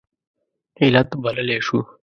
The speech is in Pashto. علت بللی شو.